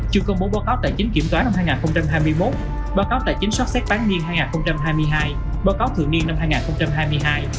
chưa công bố báo cáo tài chính kiểm toán năm hai nghìn hai mươi một báo cáo tài chính soát xét bán niên năm hai nghìn hai mươi hai báo cáo thượng niên năm hai nghìn hai mươi hai